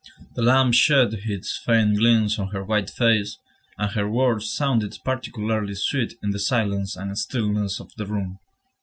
The lamp shed its faint gleams on her white face, and her words sounded particularly sweet in the silence and stillness of the room.